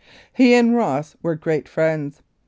He and Ross were great friends.